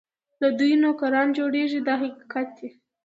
له دوی نوکران جوړېږي دا حقیقت دی.